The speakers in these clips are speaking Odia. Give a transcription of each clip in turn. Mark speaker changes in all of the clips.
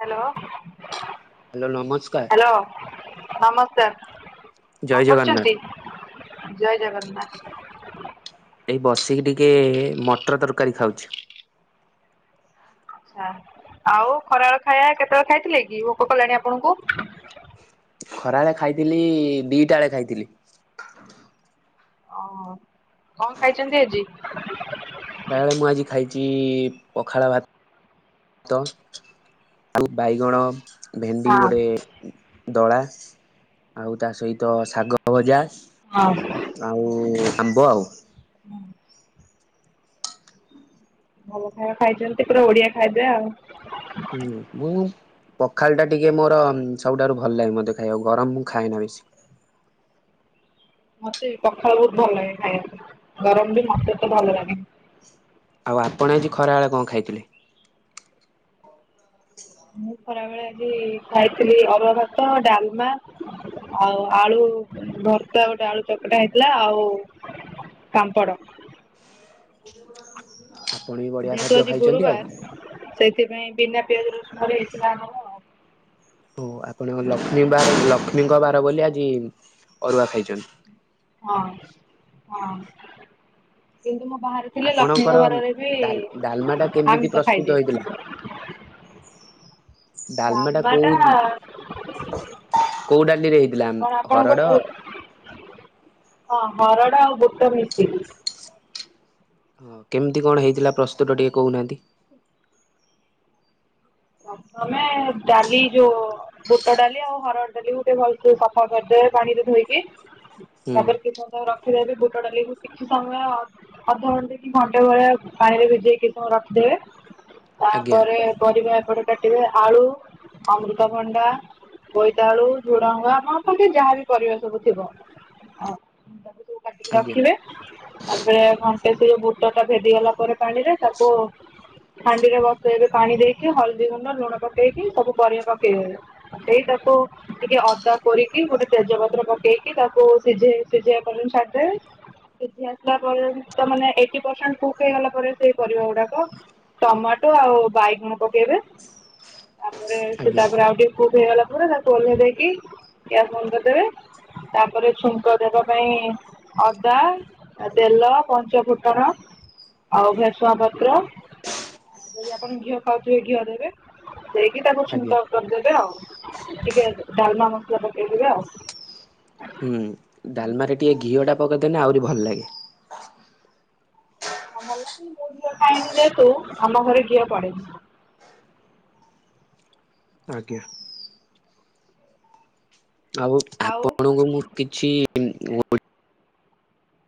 Speaker 1: ହେଲୋ।
Speaker 2: ହେଲୋ ନମସ୍କାର।
Speaker 1: ହ୍ୟାଲୋ ନମସ୍କାର
Speaker 2: ଜୟ
Speaker 1: କଣ
Speaker 2: ଜଗନ୍ନାଥ
Speaker 1: କରୁଛନ୍ତି? ଜୟ ଜଗନ୍ନାଥ।
Speaker 2: ଏଇ ବସିକି ଟିକେ ମଟର ତରକାରୀ ଖାଉଛି।
Speaker 1: ଆଃ। ଆଉ ଖରାବେଳ ଖାଇବା କେତେବେଳେ ଖାଇଥିଲେ କି ଭୋକ କଲାଣି ଆପଣଙ୍କୁ?
Speaker 2: ଖରାବେଳେ ଖାଇଥିଲି ଦିଟା ବେଳେ ଖାଇଥିଲି।
Speaker 1: ଓ କଣ ଖାଇଛନ୍ତି ଆଜି?
Speaker 2: ଖରାବେଳେ ମୁଁ ଆଜି ଖାଇଛି ପଖାଳ ଭାତ ତ। ଆଉ ବାଇଗଣ ଭେଣ୍ଡି
Speaker 1: ହଁ
Speaker 2: ଗୋଟେ ଦଳା, ଆଉ ତା ସହିତ ଶାଗ ଭଜା।
Speaker 1: ହଁ।
Speaker 2: ଆଉ ଆମ୍ବ ଆଉ।
Speaker 1: ଭଲ ଖାଇବା ଖାଇଛନ୍ତି ପୁରା ଓଡିଆ ଖାଦ୍ୟ ଆଉ।
Speaker 2: ହୁଁ ମୁଁ ପଖାଳ ଟା ଟିକେ ମୋର ସବୁଠାରୁ ଭଲ ଲାଗେ ମତେ ଖାଇବାକୁ। ଗରମ ମୁଁ ଖାଏନା ବେଶୀ।
Speaker 1: ମତେ ବି ପଖାଳ ବହୁତ ଭଲ ଲାଗେ ଖାଇବାକୁ। ଗରମ ବି ମତେ ତ ଭଲ ଲାଗେନି।
Speaker 2: ଆଉ ଆପଣ ଆଜି ଖରାବେେଳେ କଣ ଖାଇଥିଲେ? ହୁଁ। [unintelligible]
Speaker 1: ମୁଁ ଖରାବେଳେ ଆଜି ଖାଇଥିଲି ଅରୁଆ ଭାତ, ଡାଲମା ଆଉ ଆଳୁ ଭରତା, ଗୋଟେ ଆଳୁ ଚକଟା ହେଇଥିଲା। ଆଉ ପାମ୍ପଡ।
Speaker 2: ଆପଣ ବି ବଢିଆ
Speaker 1: ଯେହେତୁ
Speaker 2: ଖାଦ୍ୟ
Speaker 1: ଆଜି
Speaker 2: ଖାଇଛନ୍ତି
Speaker 1: ଗୁରୁବାର
Speaker 2: ଆଉ।
Speaker 1: ସେଇଥିପାଇଁ ବିନା ପିଆଜ ରସୁଣ ରେ ହେଇଥିଲା ଆମର। ଆଉ।
Speaker 2: ହଉ ଆପଣଙ୍କ ଲକ୍ଷ୍ମୀ ବାର ଲକ୍ଷ୍ମୀଙ୍କ ବାର ବୋଲି ଆଜି ଅରୁଆ ଖାଇଛନ୍ତି।
Speaker 1: ହଁ ହଁ କିନ୍ତୁ ମୁଁ ବାହାରେ [unintelligible] ଥିଲେ
Speaker 2: ଆପଣଙ୍କର
Speaker 1: ଲକ୍ଷ୍ମୀଙ୍କ ବାରରେ ରେ
Speaker 2: ଡାଲ ଡାଲମା ଟା
Speaker 1: ବି
Speaker 2: କେମିତି
Speaker 1: ଆମିଷ
Speaker 2: ପ୍ରସ୍ତୁତ
Speaker 1: ଖାଇଦିଏ।
Speaker 2: ହେଇଥିଲା? ଡାଲମା ଟା କୋଉ କୋଉ ଡାଲିରେ ହେଇଥିଲା
Speaker 1: କଣ ଆପଣଙ୍କ
Speaker 2: ହରଡ?
Speaker 1: ପୁ ହଁ, ହରଡ ଆଉ ବୁଟ ମିସିକି।
Speaker 2: ହଁ, କେମିତି କଣ ହେଇଥିଲା ପ୍ରସ୍ତୁତ ଟିକେ କହୁନାହାନ୍ତି?
Speaker 1: ପ୍ରଥମେ ଡାଲି ଯୋଉ ବୁଟ ଡାଲି ଆଉ ହରଡ ଡାଲିକୁ ଟିକେ ଭଲସେ ସଫା କରିଦେବେ ପାଣିରେ ଧୋଇକି
Speaker 2: ହୁଁ
Speaker 1: ତାପରେ କିଛି ସମୟ ରଖିଦେବେ ବୁଟ ଡାଲିକୁ କିଛି ସମୟ ଅଧଘଣ୍ଟା କି ଘଣ୍ଟେ ଭଳିଆ ପାଣିରେ ଭିଜେଇକି ସବୁ ରଖିଦେବେ।
Speaker 2: ଆଜ୍ଞା
Speaker 1: ତାପରେ ପରିବା ଏପଟେ କାଟିବେ ଆଳୁ ଅମୃତଭଣ୍ଡା ବୋଇତାଳୁ, ଝୁଡଙ୍ଗ ଆମ ପାଖରେ ଯାହାବି ପରିବା ସବୁ ଥିବ ଆ ତାକୁ ସବୁ କାଟିକି
Speaker 2: ଆଜ୍ଞା
Speaker 1: ରଖିବେ ତାପରେ ଘଣ୍ଟେ ସେ ବୁଟ ଟା ଭେଦିଗଲା ପରେ ପାଣିରେ ତାକୁ ହାଣ୍ଡିରେ ବସେଇବେ ପାଣି ଦେଇକି। ହଳଦୀ ଗୁଣ୍ଡ ଲୁଣ ପକେଇକି ସବୁ ପରିବା ପକେଇଦେବେ। ସେଇଟାକୁ ଟିକେ ଅଦା କୋରିକି, ଗୋଟେ ତେଜପତ୍ର ପକେଇକି ତାକୁ ସିଝେଇ ସିଝେଇବା ପଯ୍ୟନ୍ତ ଛାଡ଼ିଦେବେ। ସିଝି ଆସିଲା ପରେ ତ ମାନେ ଏଇଟି ପରସେଣ୍ଟ କୁକ୍ ହେଇଗଲା ପରେ ସେଇ ପରିବା ଗୁଡାକ ଟମାଟୋ ଆଉ ବାଇଗଣ ପକେଇବେ। ତାପରେ ସେ
Speaker 2: ଆଜ୍ଞା
Speaker 1: ତାପରେ ଆଉ ଟିକେ କୁକ୍ ହେଇଗଲା ପରେ ତାକୁ ଓହ୍ଲେଇ ଦେଇକି ଗ୍ୟାସ ବନ୍ଦ କରିଦେବେ। ତାପରେ ଛୁଙ୍କ ଦେବା ପାଇଁ ଅଦା ତେଲ, ପଞ୍ଚ ଫୁଟଣ, ଆଉ ଭରସୁଙ୍ଗ ପତ୍ର ଯଦି ଆପଣ ଘିଅ ଖାଉଥିବେ ଘିଅରେ ଦେଇକି ତାକୁ
Speaker 2: ଆଜ୍ଞା
Speaker 1: ଛୁଙ୍କ କରିଦେବେ ଆଉ। ଟିକେ ଡାଲମା ମସଲା ପକେଇଦବେ ଆଉ।
Speaker 2: ହୁଁ। ଡାଲମା
Speaker 1: ଏମିତି
Speaker 2: ରେ ଟିକେ ଘିଅଟା ପକେଇଦେଲେ ଆହୁରି ଭଲ ଲାଗେ।
Speaker 1: ମଲଁ ମୋ ଘିଅ ଖାଇନି ଯେହେତୁ ଆମ ଘରେ ଘିଅ ପଡେନି।
Speaker 2: ଆଜ୍ଞା। ଆଉ ଆପଣଙ୍କୁ ମୁଁ କିଛି [unintelligible]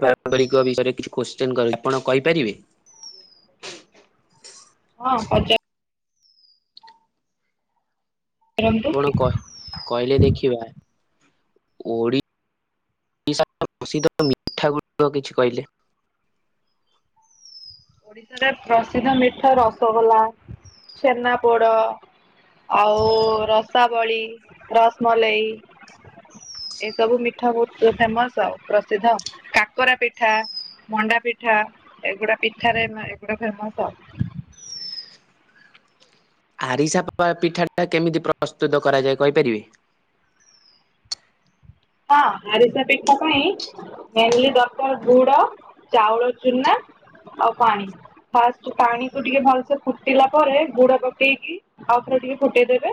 Speaker 2: ପାରମ୍ପରିକ ବିଷୟରେ କିଛି କୋଶ୍ଚିନ କରିବି ଆପଣ କହିପାରିବେ?
Speaker 1: ହଁ ପଚାର ପଚାରନ୍ତୁ
Speaker 2: ଆପଣ କହ କହିଲେ ଦେଖିବା ଓଡ଼ିଶା ପ୍ରସିଦ୍ଧ ମିଠା ଗୁଡିକ କିଛି କହିଲେ?
Speaker 1: ଓଡ଼ିଶାରେ ପ୍ରସିଦ୍ଧ ମିଠା ରସଗୋଲା ଛେନାପୋଡ଼। ଆଉ ରସାବଳି ରସମଲେଇ ଏସବୁ ମିଠା ବହୁତ ଫେମସ ଆଉ ପ୍ରସିଦ୍ଧ କାକରା ପିଠା। ମଣ୍ଡା ପିଠା ଏଗୁଡା ପିଠାରେ ଏଗୁଡା ଫେମସ।
Speaker 2: ଆରିସା ପିଠାଟା କେମିତି ପ୍ରସ୍ତୁତ କରାଯାଏ କହିପାରିବେ।
Speaker 1: ହଁ ଆରିସା ପିଠା ପାଇଁ ମେନଲି ଦରକାର ଗୁଡ ଚାଉଳ ଚୁନା ଆଉ ପାଣି। ଫାଷ୍ଟ ପାଣିକୁୁ ଟିକେ ଭଲସେ ଫୁଟିଲା ପରେ ଗୁଡ ପକେଇକି। ଆଉ ଥରେ ଟିକେ ଫୁଟେଇଦେବେ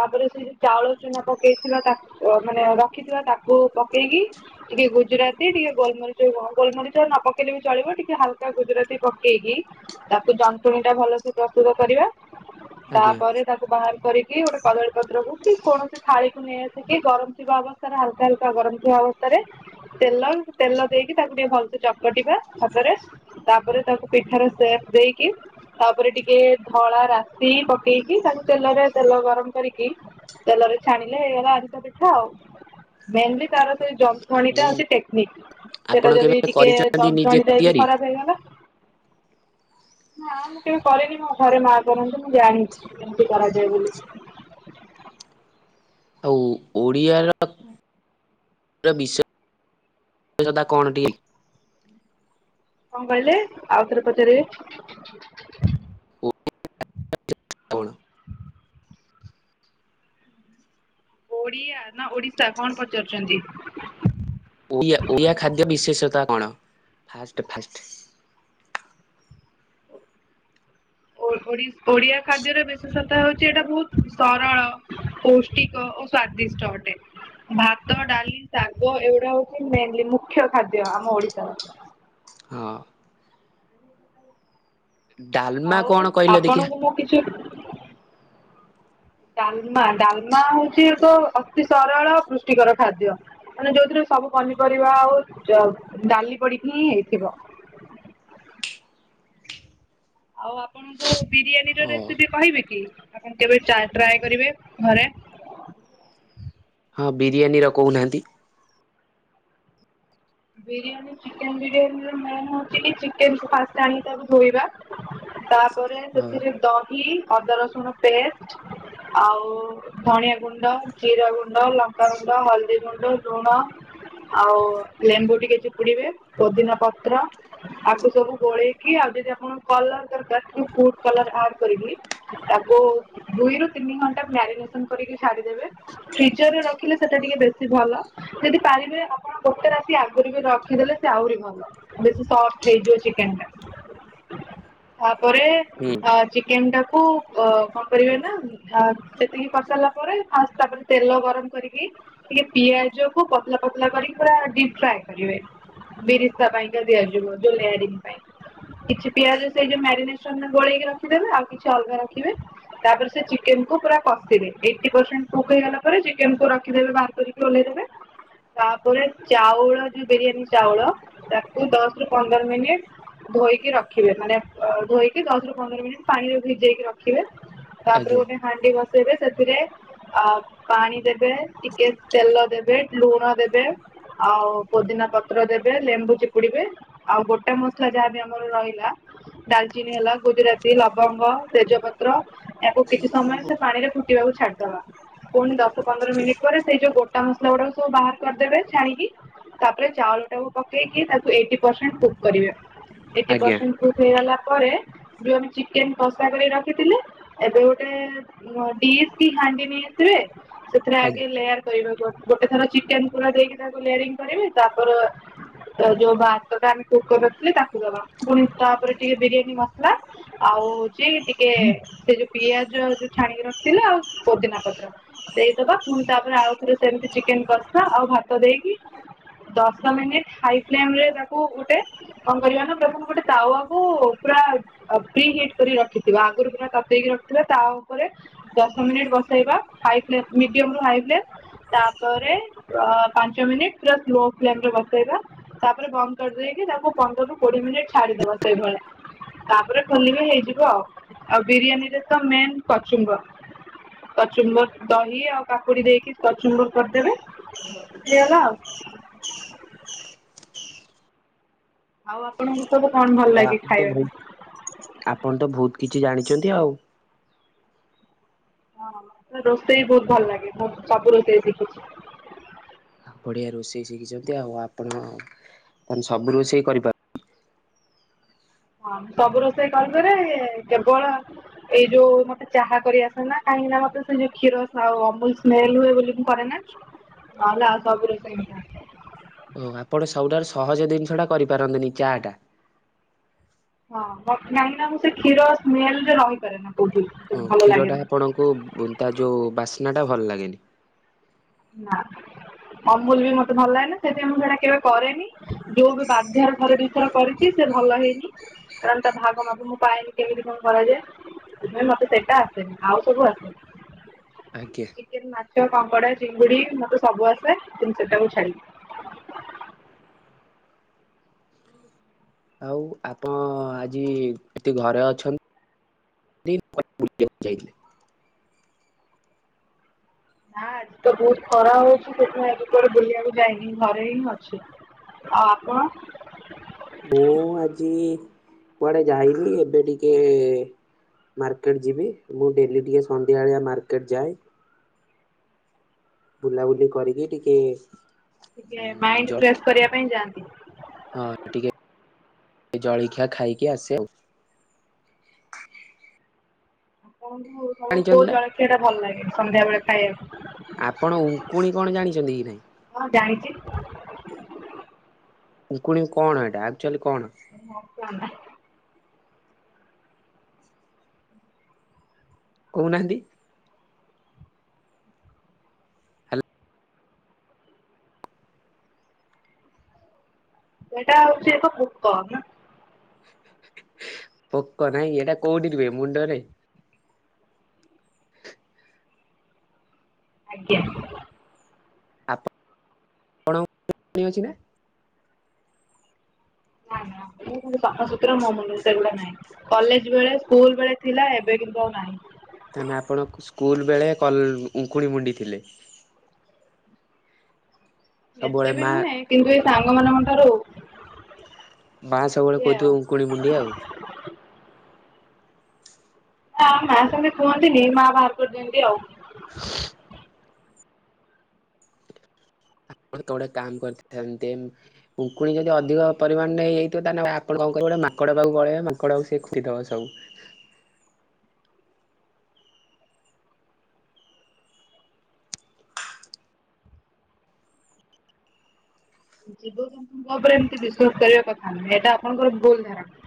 Speaker 1: ତାପରେ ସେ ଯୋଉ ଚାଉଳ ଚୁନା ପକେଇଥିଲା ତାକୁ ମାନେ ରଖିଥିବା ତାକୁ ପକେଇକି। ଟିକେ ଗୁଜୁରାତି ଟିକେ ଗୋଲମରିଚ କଣ ଗୋଲମରିଚ ନ ପକେଇଲେ ବି ଚଳିବ ଟିକେ ହାଲକା ଗୁଜୁରାତି ପକେଇକି। ତାକୁ ଯନ୍ତୁଣୀ ଟା ଭଲସ ପ୍ରସ୍ତୁତ କରିବା
Speaker 2: ଆଜ୍ଞା
Speaker 1: ତାପରେ ତାକୁ ବାହାର କରିକି ଗୋଟେ କଦଳୀ ପତ୍ରକୁ କି କୌଣସି ଥାଳିକୁ ନେଇ ଆସିକି ଗରମ ଥିବା ଅବସ୍ ହଲକା ହଲକା ଗରମ ଥିବା ଅବସ୍ଥାରେ ତେଲ ତେଲ ଦେଇକି ତାକୁ ଟିକେ ଭଲସ ଚକଟିବା ହାତରେ ତାପରେ ତାକୁ ପିଠାର ସେପ ଦେଇକି ତାପରେ ଟିକେ ଧଳା ରାଶି ପକେଇକି ତାକୁ ତେଲରେ ତେଲ ଗରମ କରିକି ତେଲରେ ଛାଣିଲେ ଏଇଗଲା ଅଧିକା ପିଠା ଆଉ। ମେନ୍ଲି ତାର ସେ
Speaker 2: ଆପଣ
Speaker 1: ଯନ୍ତ୍ରଣୀଟା ହଉଛି ଟେକ୍ନିକ୍।
Speaker 2: ଆପଣ
Speaker 1: ସେଇଟା ଯଦି
Speaker 2: କେବେ
Speaker 1: ଟିକେ
Speaker 2: କରିଛନ୍ତି ନିଜେ
Speaker 1: ଯନ୍ତ୍ରଣୀ ଟା ଯଦି
Speaker 2: ତିଆରି?
Speaker 1: ଖରାପ ହେଇଗଲା। ନା ମୁଁ କେବେ କରେନି ମୋ ଘରେ ମା କରନ୍ତୁ ମୁଁ ଜାଣିଛି କେମିତି କରାଯାଏ ବୋଲି।
Speaker 2: ଆଉ ଓଡ଼ିଆର [unintelligible] ବିଷୟ କଣ ଦିଏ।
Speaker 1: କଣ କହିଲେ ଆଉ ଥରେ ପଚାରିବେ
Speaker 2: [unintelligible]
Speaker 1: ଓଡିଆ ନା ଓଡିଶା କଣ ପଚାରୁଛନ୍ତି?
Speaker 2: ଓଆ ଓଆ ଖାଦ୍ୟ ବିଶେଷତା କଣ ଫା ଫଷ୍ଟ
Speaker 1: ଓଡିଆ ଖାଦ୍ୟର ବିଶେଷତା ହଉଛି ଏଇଟା ବହୁତ ସରଳ ପୌଷ୍ଟିକ ଓ ସ୍ଵାଦିଷ୍ଟ ଅଟେ। ଭାତ ଡାଲି ଶାଗ ଏଗୁଡା ହଉଛି ମେନଲି ମୁଖ୍ୟ ଖାଦ୍ୟ ଆମ ଓଡିଶାର।
Speaker 2: ହଁ। ଆ
Speaker 1: ଆଉ ଆପଣଙ୍କୁ ମୁଁ କିଛି ଡାଲମା ଡାଲମା ହଉଛି ଏକ ଅତି ସରଳ ପୃଷ୍ଟିକର ଖାଦ୍ୟ। ମାନେ ଯୋଉଥିରେ ସବୁ ପନିପରିବା ଆଉ ଡାଲି ପଡିକି ହିଁ ହେଇଥିବ। ଆଉ ଆପଣଙ୍କୁ ବିରିୟାନୀ ର
Speaker 2: ହଁ
Speaker 1: ରେସିପି କହିବେ କି ଆପଣ କେବେ ଟ୍ରାଏ କରିବେ ଘରେ।
Speaker 2: ହଁ ବିରିୟାନୀର କହୁନାହାଁନ୍ତି।
Speaker 1: ବିରିୟାନୀ ଚିକେନ ବିରିୟାନୀ ର ମ ହଉଛି ଚିକେନକୁ ପାଷ୍ଟ ଆଣି ତାକୁ ଧୋଇବା। ତାପରେ
Speaker 2: ହଁ
Speaker 1: ସେଥିରେ ଦହି, ଅଦା ରସୁଣ ପେଷ୍ଟ, ଆଉ ଧଣିଆ ଗୁଣ୍ଡ, ଜିରା ଗୁଣ୍ଡ, ଲଙ୍କା ଗୁଣ୍ଡ, ହଳଦୀ ଗୁଣ୍ଡ, ଲୁଣ ଆଉ ଲେମ୍ବୁ ଟିକେ ଚିପୁଡିବେ, ପୋଦିନା ପତ୍ର ଆକୁ ସବୁ ଗୋଳେଇକି ଆଉ ଯଦି ଆପଣଙ୍କୁ କଲର ଦରକାର ତେବେ ଫୁଡ କଲର ଆଡ କରିକି ତାକୁ ଦୁଇରୁୁ ତିନି ଘଣ୍ଟା ମ୍ୟାରିନେସନ କରିକି ଛାଡିଦେବେ। ଫ୍ରିଜରରେ ରଖିଲେ ସେଟା ଟିକେ ବେଶୀ ଭଲ, ଯଦି ପାରିବେ ଆପଣ ଗୋଟେ ରାତି ଆଗରୁ ବି ରଖିଦେଲେ ସେ ଆହୁରି ଭଲ ବେଶୀ ସଫ୍ଟ ହେଇଯିବ ଚିକେନ ଟା, ତାପରେ
Speaker 2: ହୁଁ
Speaker 1: ଚିକେନ ଟାକୁ ଅ କଣ କରିବେ ନା ଆଉ ସେତିକି କରିସାରିଲା ପରେ, ତାପରେ ତେଲ ଗରମ କରିକି ଟିକେ ପିଆଜ କୁ ପତଳା, ପତଲା କରିକି ପୁରା ଡିପ୍ ଫ୍ରାଏ କରିବେ। ବିରିସ୍ତା ପାଇଁକା ଦିଆଯିବ, ମ୍ୟାରିଙ୍ଗ ପାଇଁ। କିଛି ପିଆଜ ସେଇ ଯୋଉ ମ୍ୟାରିନେସନ ଗୋଳେଇକି ରଖିଦେବେ, ଆଉ କିଛି ଅଲଗା ରଖିବେ, ତାପରେ ସେ ଚିକେନ କୁ ପୁରା କଷିବେ, ଏଇଟି ପର୍ସେଣ୍ଟ କୁକ ହେଇଗଲା ପରେ ଚିକେନ କୁ ରଖିଦେବେ ବାହାର କରିକି। [unintelligible] ରୁ ଓହ୍ଲେଇ ଦେବେ ତାପରେ ଚାଉଳ ଯୋଉ ବିରିୟାନୀ ଚାଉଳ ତାକୁ ଦଶରୁ ପନ୍ଦର ମିନିଟ୍ ଧୋଇକି ରଖିବେ ମାନେ ଅଁ, ଧୋଇକି ଦଶ ରୁ ପନ୍ଦର ମିନିଟ ପାଣିରେ ଭିଜେଇକି ରଖିବେ ତାପରେ
Speaker 2: ଆଜ୍ଞା
Speaker 1: ଗୋଟେ ହାଣ୍ଡି ବସେଇବେ ସେଥିରେ ଆ ପାଣି ଦେବେ ଟିକେ ତେଲ ଦେବେ, ଲୁଣ ଦେବେ ଆଉ ପୋଦିନା ପତ୍ର ଦେବେ, ଲେମ୍ବୁ ଚୁପୁଡିବେ ଆଉ ଗୋଟା ମସଲା ଯାହାବି ଆମର ରହିଲା ଡାଲଚିନି ହେଲା, ଗୁଜୁରାତି, ଲବଙ୍ଗ, ତେଜପତ୍ର ୟାକୁ କିଛି ସମୟରେ ସେ ପାଣି ରେ ଫୁଟିବାକୁ ଛାଡିଦବା। ପୁଣି ଦଶ ପନ୍ଦର ମିନିଟ୍ ପରେ ସେଇ ଯୋଉ ଗୋଟା ମସଲା ଗୁଡାକ ସବୁ ବାହାର କରିଦେବେ ଛାଣିକି ତାପରେ ଚାଉଳ ଟାକୁ ପକେଇକି ତାକୁ ଏଇଟି ପର୍ସେଣ୍ଟ କୁକ୍ କରିବେ। ଏଇଟି
Speaker 2: ଆଜ୍ଞା।
Speaker 1: ପର୍ସେଣ୍ଟ କୁକ୍ ହେଇଗଲା ପରେ ଯୋଉ ଆମେ ଚିକେନ କଷା କରିକି ରଖିଥିଲେ ଏବେ ଗୋଟେ ଡିସ୍ କି ହାଣ୍ଡି ନେଇ ଆସିବେ ସେଥିରେ ଆଗେ
Speaker 2: ଆଜ୍ଞା
Speaker 1: ଲେୟାର କରିବାକୁ ଅଛି। ଗୋଟେ ଥର ଚିକେନ ପୁରା ଦେଇକି ତାକୁ ଲେୟାରିଂ କରିବେ, ତାପର ଯୋଉ ଯୋଉ ଭା ତ ଟା ଆମେ କୁକ୍ କରି ରଖିଥିଲେ ତାକୁ ଦବା, ପୁଣି ତାପରେ ଟିକେ ବିରିୟାନୀ ମସଲା ଆଉ ହଉଛି ଟିକେ ସେ ଯୋଉ ପିଆଜ ଯୋଉ ଛାଣିକି ରଖିଥିଲେ ଆଉ ପୋଦିନା ପତ୍ର। ଦେଇଦବା ଫୁଣି ତାପରେ ଆଉ ଥରେ ସେମିତି ଚିକେନ କଷା ଆଉ ଭାତ ଦେଇକି ଦଶ ମିନିଟ ହାଇ ଫ୍ଲେମରେ ତାକୁ ଗୋଟେ କଣ କରିବା ନା ପ୍ରଥମ ଗୋଟେ ତାୱାକୁ ପୁରା ପ୍ରିହିିଟ୍ କରିକି ରଖିଥିବା ଆଗରୁ ପୁରା ତତେଇକି ରଖିଥିବା ତା ଉପରେ ଦଶ ମିନିଟ ବସେଇବା ହାଇ ଫ୍ଲେମ ମିଡିୟମ ରୁ ହାଇ ଫ୍ଲେମ, ତାପରେ ଆଁ ପାଞ୍ଚ ମିନିଟ୍ ପୁରା ସ୍ଲୋ ଫ୍ଲେମ ରେ ବସେଇବା ତାପରେ ବନ୍ଦ କରିଦେଇକି ତାକୁ ପନ୍ଦରରୁୁ କୋଡିଏ ମିନିଟ ଛାଡିଦବା ସେଇଭଳିଆ। ତାପରେ ଖୋଲିବେ ହେଇଯିବ ଆଉ, ଆଉ ବିରିୟାନୀରେ ତ ମେନ୍ କଚୁମ୍ବର। କଚୁମ୍ବର, ଦହି ଆଉ କାକୁଡି ଦେଇକି କଚୁମ୍ବର କରିଦେବେ। ହେଇଗଲା ଆଉ
Speaker 2: [inaudible]
Speaker 1: ଆଉ ଆପଣଙ୍କୁ ସବୁ କଣ ଭଲ
Speaker 2: ଆଉ
Speaker 1: ଲାଗେ
Speaker 2: ଆପଣ ତ
Speaker 1: ଖାଇବା?
Speaker 2: ବହୁତ ଆପଣ ତ ବହୁତ କିଛି ଜାଣିଛନ୍ତି ଆଉ।
Speaker 1: ହଁ ରୋଷେଇ ବହୁତ୍ ଭଲ ଲାଗେ। ସବ ସବୁ ରୋଷେଇ ଶିଖିଛି।
Speaker 2: ବଢିଆ ରୋଷେଇ ଶିଖିଚନ୍ତି ଆଉ ଆପଣ ମାନେ ସବୁ ରୋଷେଇ କରିପାରୁ
Speaker 1: ହଁ ସବୁ ରୋଷେଇ କରିପାରେ କେବଳ ଏଇ ଯୋଉ ମତେ ଚାହା କରିଆସେନା କାହିଁକିନା ମତେ ସେ ଯୋଉ କ୍ଷୀର ଆଉ ଅମୁଲ ସ୍ମେଲ ହୁଏ ବୋଲି କରେନା। ନହେଲେ ଆଉ ସବୁ ରୋଷେଇ ଜଣା।
Speaker 2: ଓ ଆପଣ ସବୁଠାରୁ ସହଜ ଦିନିଷ ଟା କରିପାରନ୍ତିନି ଚାଟା।
Speaker 1: ହଁ କାଇଁକି ନା ମୁଁ ସେ କ୍ଷୀର ସ୍ମେଲରେ ରହିପାରେ ନା କୋଉଠି
Speaker 2: ଓ
Speaker 1: ଭଲ
Speaker 2: କ୍ଷୀର ଟା
Speaker 1: ଲାଗେନା।
Speaker 2: ଆପଣଙ୍କୁ ବୁନତା ଯୋଉ ବାସ୍ନା ଟା ଭଲ ଲାଗେନି।
Speaker 1: ନା ଅମୁଲ ବି ମତେ ଭଲ ଲାଗେନା ସେଥିପାଇଁ ମୁଁ ସେଟା କେବେ କରେନି। ଯୋଉ ବି ବାଧ୍ୟରେ ଥରେ ଦିଥର କରିଚି ସେ ଭଲ ହେଇନି କାରଣ ତା ଭାଗ ମାପ ମୁଁ ପାଏନି। କେମିତି କଣ କରାଯାଏ। ସେଇଥି ପାଇଁ ମତେ ସେଟା ଆସେନି ଆଉ ସବୁ ଆସେ।
Speaker 2: ଆଜ୍ଞା।
Speaker 1: ଚିକେନ ମାଛ କଙ୍ଗଡା ଚିଙ୍ଗୁଡି ମତେ ସବୁ ଆସେ। କିନ୍ତୁ ସେଟାକୁ ଛାଡ଼ିକି।
Speaker 2: ଆଉ ଆପଣ ଆଜି ଏଠି ଘରେ ଅଛନ୍ତି? [inaudible] ଯାଇଥିଲେ।
Speaker 1: ନା ଆଜି ତ ବହୁତୁ ଖରା ହୋଉଚି। ସେଥିପାଇଁ ଆଜି କୁଆଡେ ବୁଲିବାକୁ ଯାଇନି ଘରେ ହିଁ ଅଛି। ଆଉ ଆପଣ?
Speaker 2: ମୁଁ ଆଜି କୁଆଡେ ଯାଇନି ଏବେ ଟିକିଏ ମାର୍କେଟ ଯିବି। ମୁଁ ଡେଲି ଟିକିଏ ସନ୍ଧ୍ୟାବେଳିଆ ମାର୍କେଟ ଯାଏ। ବୁଲାବୁଲି କରିକି ଟିକିଏ
Speaker 1: ଟିକିଏ ମାଇଣ୍ଡି ଫ୍ରେଶ୍ କରିବା ପାଇଁ ଯାଆନ୍ତି।
Speaker 2: ହଁ ଟିକିଏ ଜଳଖିଆ ଖାଇକି ଆସେ ଆଉ।
Speaker 1: ଆପଣଙ୍କୁ କୋଉ
Speaker 2: ଜାଣିଛନ୍ତି
Speaker 1: କୋଉ
Speaker 2: ନା
Speaker 1: ଜଳଖିଆଟା ଭଲ ଲାଗେ ସନ୍ଧ୍ୟା ବେଳେ ଖାଇବାକୁ?
Speaker 2: ଆପଣ ଉଙ୍କୁଣି କଣ ଜାଣିଚନ୍ତି କି ନାଇଁ?
Speaker 1: ହଁ ଜାଣିଚି।
Speaker 2: ଉଙ୍କୁଣି କଣ ଏଇଟା? ଆକ୍ଚୁଆଲି କଣ?
Speaker 1: ମୋକ ନା। [inaudible]
Speaker 2: କହୁ ନାହାନ୍ତି?
Speaker 1: ସେଇଟା ହୋଉଚି ଏକ ପୁକ। ନା
Speaker 2: ପୋକ ନାଇଁ ଏଟା କୋଉଠି ରୁହେ? ମୁଣ୍ଡରେ?
Speaker 1: ଆଜ୍ଞା।
Speaker 2: ଆପଣଙ୍କ ମୁଣ୍ଡରେ ଉକୁଣି ଅଛି ନା?
Speaker 1: ନା ନା ମୁଁ ପୁଣିସଫାସୁତୁର ମୋ ମୁଣ୍ଡରେ ସେଗୁଡା ନାଇଁ। କଲେଜ ବେଳେ ସ୍କୁଲ ବେଳେ ଥିଲା ଏବେ କିନ୍ତୁ ଆଉ ନାହିଁ।
Speaker 2: ତାହାନେ ଆପଣ ସ୍କୁଲ ବେଳେ କ ଉଙ୍କୁଣି ମୁଣ୍ଡି ଥିଲେ? ସବୁବେଳେ
Speaker 1: ଏତେ ବି
Speaker 2: ମା
Speaker 1: ନୁହେଁ କିନ୍ତୁ ଏଇ ସାଙ୍ଗ ମାନଙ୍କ ଠାରୁ
Speaker 2: ମା ସବୁବେଳେ
Speaker 1: ଇଏ ଆଉ
Speaker 2: କହୁଥୁବେ ଉଙ୍କୁଣି ମୁୁଣ୍ଡିଆ ଆଉ।
Speaker 1: ହଁ ମା ସେମିତି କୁହନ୍ତିନି ମା ବାହାର କରିଦିଅନ୍ତି ଆଉ।
Speaker 2: [inaudible] ମୋତେ ଗୋଟେ କାମ କରିଥାନ୍ତିମ୍। ଉଙ୍କୁଣି ଯଦି ଅଧିକ ପରିମାଣରେ ହେଇଯାଇଥିବେ ତାହେନେ ଆପଣ କଣ କରିବେ ଗୋଟେ ମାଙ୍କଡ଼ ପାଖକୁ ପଳେଇବେ। ମାଙ୍କଡ଼କୁ ସେ ଖୁଣ୍ଟିଦବ ସବୁ।
Speaker 1: ଜୀବଜନ୍ତୁଙ୍କ ଉପରେ ଏମିତି ବିଶ୍ୱାସ କରିବା କଥା ନୁହଁ। ଏଇଟା ଆପଣଙ୍କର ଭୁଲ ଧାରଣା।